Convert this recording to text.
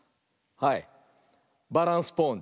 はい！